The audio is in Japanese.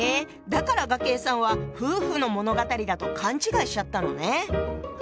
だから雅馨さんは夫婦の物語だと勘違いしちゃったのね。